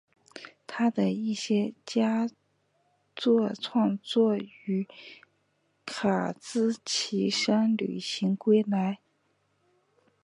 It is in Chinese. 他的一些佳作创作于卡兹奇山旅行归来。